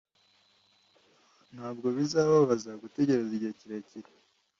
Ntabwo bizababaza gutegereza igihe kirekire.